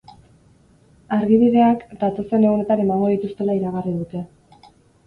Argibideak datozen egunetan emango dituztela iragarri dute.